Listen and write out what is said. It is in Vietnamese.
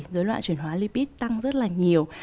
dối loạn chuyển hóa lipid tăng rất là nhiều